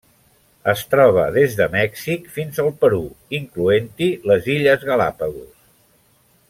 Es troba des de Mèxic fins al Perú, incloent-hi les Illes Galápagos.